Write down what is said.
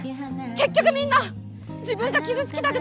結局みんな自分が傷つきたくないだけ。